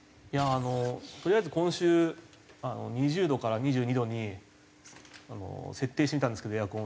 とりあえず今週２０度から２２度に設定してみたんですけどエアコンを。